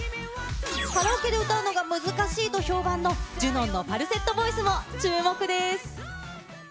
カラオケで歌うのが難しいと評判の、ジュノンのファルセットボイスも注目です。